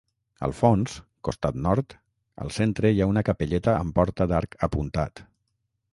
Al fons -costat nord- al centre hi ha una capelleta amb porta d'arc apuntat.